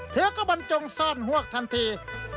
เธอก็บนจงซ่อนหัวคทันที